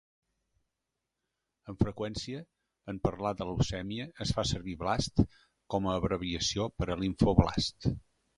Amb freqüència, en parlar de leucèmia, es fa servir "blast" com a abreviació per a "limfoblast".